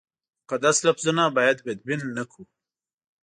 مقدس لفظونه باید بدبین نه کړو.